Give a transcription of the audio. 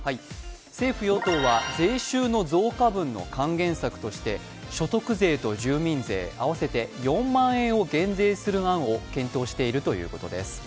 政府・与党は税収の増加分の還元策として所得税と住民税合わせて４万円を減税する案を検討しているということです。